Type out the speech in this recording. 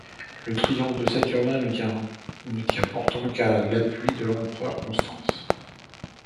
Le triomphe de Saturnin ne tient pourtant qu’à l’appui de l’empereur Constance.